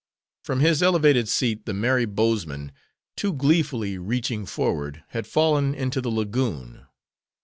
From his elevated seat, the merry bowsman, too gleefully reaching forward, had fallen into the lagoon.